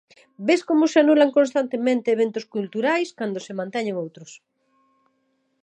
Ves como se anulan constantemente eventos culturais cando se manteñen outros.